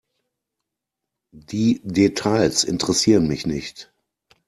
Die Details interessieren mich nicht.